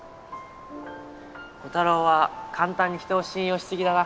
コタローは簡単に人を信用しすぎだな。